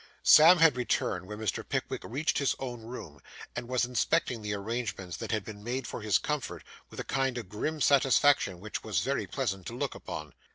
Sam had returned when Mr. Pickwick reached his own room, and was inspecting the arrangements that had been made for his comfort, with a kind of grim satisfaction which was very pleasant to look upon.